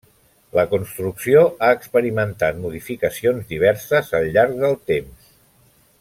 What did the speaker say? La construcció ha experimentat modificacions diverses al llarg del temps.